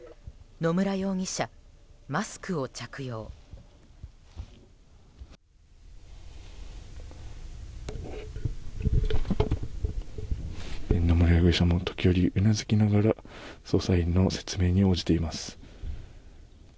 野村容疑者も時折、うなずきながら捜査員の説明に応じています。